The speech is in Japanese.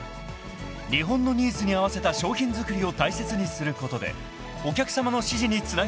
［日本のニーズに合わせた商品作りを大切にすることでお客さまの支持につなげていく］